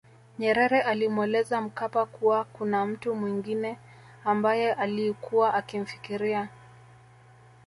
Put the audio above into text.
Nyerere alimweleza Mkapa kuwa kuna mtu mwengine ambaye ailikuwa akimfikiria